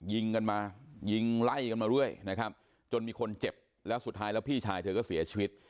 ยิงกันมายิงไล่กันมาเรื่อยนะครับจนมีคนเจ็บแล้วสุดท้ายแล้วพี่ชายเธอก็เสียชีวิต